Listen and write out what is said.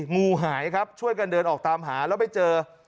งูหายครับช่วยกันเดินออกตามหาแล้วไปเจอ